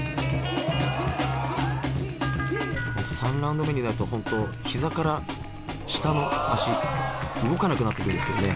３ラウンド目になると本当膝から下の足動かなくなってくるんですけどね。